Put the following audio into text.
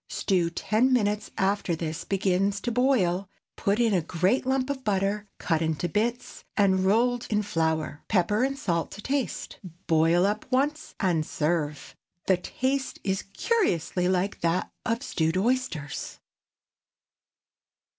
Stew ten minutes after this begins to boil; put in a great lump of butter, cut into bits, and rolled in flour; pepper and salt to taste. Boil up once, and serve. The taste is curiously like that of stewed oysters.